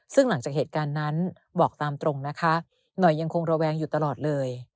ซึ่งหลังจากเหตุการณ์นั้นบอกตามตรงนะคะหน่อยยังคงระแวงอยู่ตลอดเลย